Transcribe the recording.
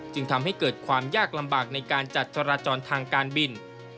จึงทำให้เกิดความยากลำบากในการจัดจราจรทางการบิน